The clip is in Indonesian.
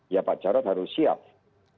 ya pak jarod harus siap